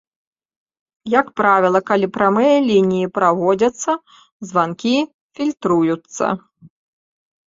Як правіла, калі прамыя лініі праводзяцца, званкі фільтруюцца.